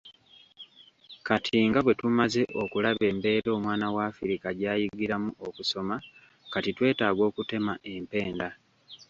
Kati nga bwe tumaze okulaba embeera omwana w’Afirika gy’ayigiramu okusoma kati twetaaga okutema empenda.